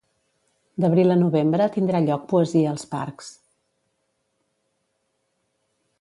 D'abril a novembre tindrà lloc Poesia als parcs.